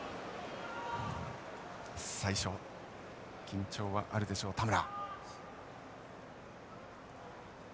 最初緊張はあるでしょう田村。